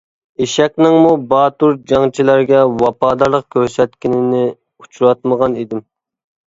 ئېشەكنىڭمۇ باتۇر جەڭچىلەرگە ۋاپادارلىق كۆرسەتكىنىنى ئۇچراتمىغان ئىدىم.